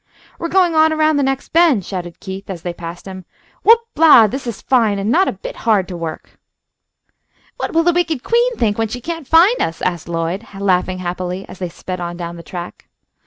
"We're going on, around the next bend," shouted Keith, as they passed him. "Whoop la! this is fine, and not a bit hard to work!" "What will the wicked queen think when she can't find us?" asked Lloyd, laughing happily, as they sped on down the track.